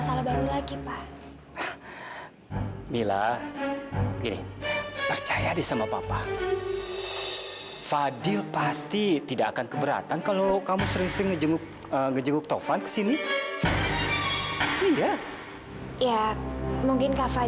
sampai jumpa di video selanjutnya